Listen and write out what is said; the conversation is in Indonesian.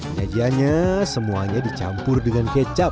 penyajiannya semuanya dicampur dengan kecap